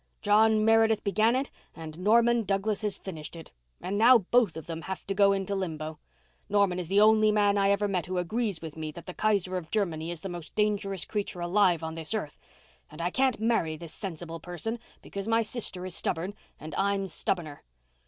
John Meredith began it and Norman Douglas has finished it. And now both of them have to go into limbo. Norman is the only man I ever met who agrees with me that the Kaiser of Germany is the most dangerous creature alive on this earth—and I can't marry this sensible person because my sister is stubborn and I'm stubborner.